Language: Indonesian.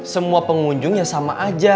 semua pengunjungnya sama aja